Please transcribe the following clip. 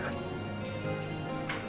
saya tidak ingin cakap